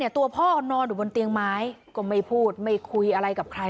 ตัวพ่อนอนอยู่บนเตียงไม้ก็ไม่พูดไม่คุยอะไรกับใคร